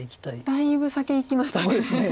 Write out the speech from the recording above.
だいぶ先へいきましたね。